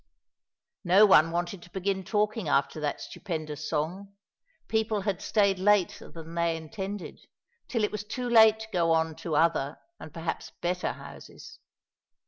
No one wanted to begin talking after that stupendous song. People had stayed later than they intended, till it was too late to go on to other, and perhaps better, houses.